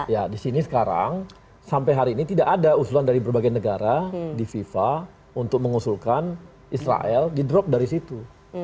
ya di sini sekarang sampai hari ini tidak ada usulan dari berbagai negara di fifa untuk mengusulkan israel di drop dari situ